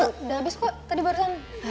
sudah habis kok tadi barusan